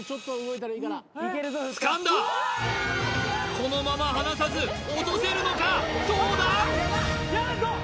このまま離さず落とせるのかどうだ？